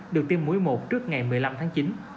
được tiêm mũi một trước ngày một mươi năm tháng chín